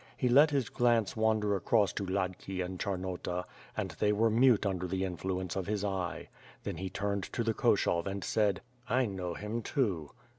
He let his glance wander across to Hladki and Chaniota, and they were mute under the influence of his eye. Then he turned to the Koshov and said: "I know him, too."